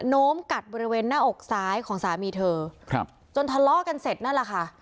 โน้มกัดบริเวณหน้าอกซ้ายของสามีเธอครับจนทะเลาะกันเสร็จนั่นแหละค่ะ